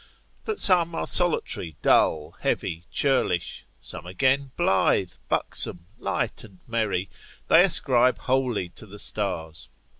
That some are solitary, dull, heavy, churlish; some again blithe, buxom, light, and merry, they ascribe wholly to the stars.